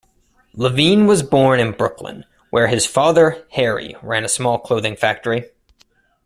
Levine was born in Brooklyn, where his father Harry ran a small clothing factory.